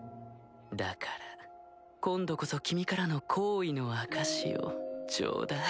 だから今度こそ君からの好意の証しをちょうだい。